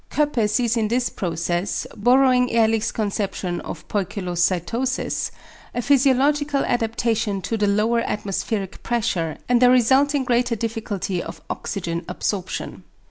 Koeppe sees in this process, borrowing Ehrlich's conception of poikilocytosis, a physiological adaptation to the lower atmospheric pressure, and the resulting greater difficulty of oxygen absorption.